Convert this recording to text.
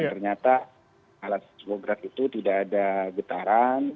dan ternyata alat seismograf itu tidak ada getah